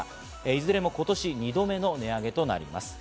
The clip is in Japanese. いずれも今年２度目の値上げとなります。